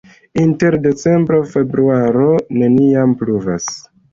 Inter decembro-februaro neniam pluvas.